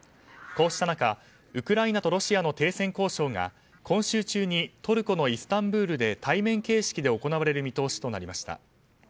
こうした中ウクライナとロシアの停戦交渉が今週中にトルコのイスタンブールで対面形式で行われる見通しとなりました。